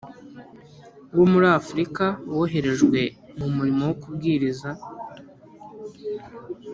wo muri Afurika woherejwe mu murimo wo kubwiriza